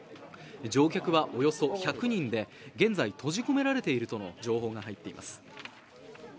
乗客はおよそ１００人で現在閉じ込められているとの情報が入っています。